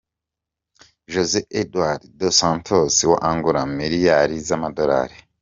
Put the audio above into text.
Jose Eduardo dos Santos wa Angola :Miliyari z’amadolari.